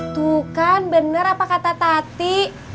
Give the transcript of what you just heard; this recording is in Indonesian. tuh kan benar apa kata tati